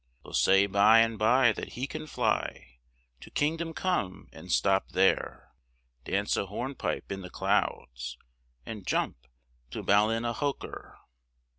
They'll say by and bye that he can fly, To kingdom come, and stop there, Dance a hornpipe in the clouds, And jump to Ballinahoker.